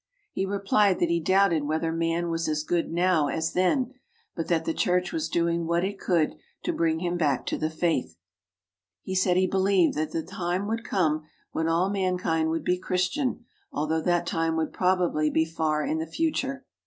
He replied that he doubted whether man was as good now as then, but that the Church was doing what it could to bring him back to the faith. He said he believed that the time would come when all mankind would be Chris tian, although that time would probably be far in the future.